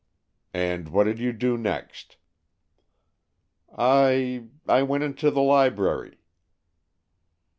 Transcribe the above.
"And what did you do next?" "I—I went into the library."